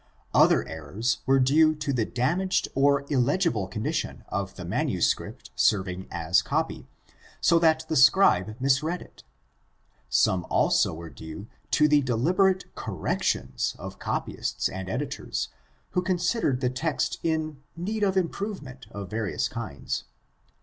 Other errors were due to the damaged or illegible condition of the manuscript serving as copy, so that the scribe misread it. Some also were due to the delib erate "corrections" of copyists and editors who considered the text in need of improvement of various kinds.